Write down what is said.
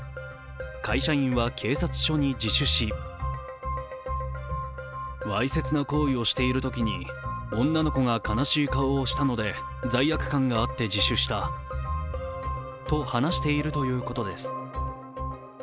会社員は警察署に自首しと話しているということです。